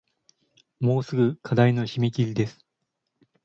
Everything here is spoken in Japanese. もうすぐ課題の締切です